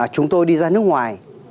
chúng tôi đi ra nước ngoài